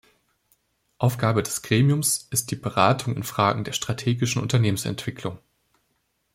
Aufgabe des Gremiums ist die Beratung in Fragen der strategischen Unternehmensentwicklung.